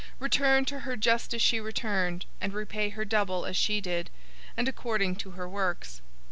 018:006 Return to her just as she returned, and repay her double as she did, and according to her works.